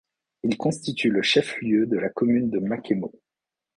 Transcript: Il constitue le chef-lieu de la commune de Makemo.